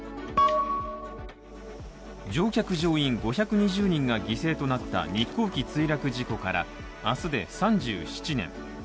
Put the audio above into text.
乗客・乗員５２０人が犠牲となった日航機墜落事故から、明日で３７年。